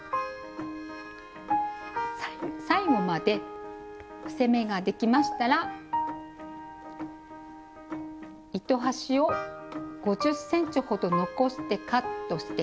最後まで伏せ目ができましたら糸端を５０ｃｍほど残してカットして下さい。